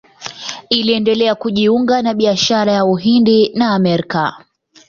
Iliendelea kujiunga na biashara ya Uhindi na Amerika.